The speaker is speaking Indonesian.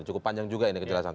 cukup panjang juga ini kejelasan